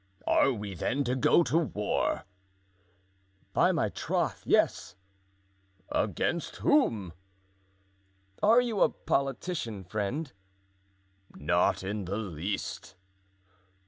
"Are we then to go to war?" "By my troth, yes." "Against whom?" "Are you a politician, friend?" "Not in the least."